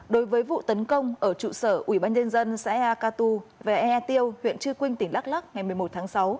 đối với vụ tấn công ở trụ sở ủy ban nhân dân xã ea ca tu về ea tiêu huyện chư quynh tỉnh lắc lắc ngày một mươi một tháng sáu